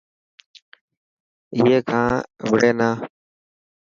اي کان وڙي نا.